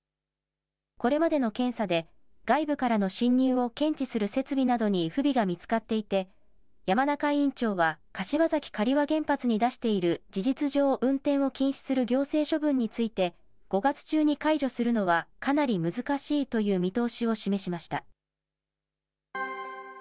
これまでの検査で、外部からの侵入を検知する設備などに不備が見つかっていて、山中委員長は、柏崎刈羽原発に出している、事実上運転を禁止する行政処分について、５月中に解除するのはかなり難しいという見通しを示しました。